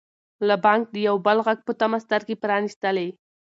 ملا بانګ د یو بل غږ په تمه سترګې پرانیستلې.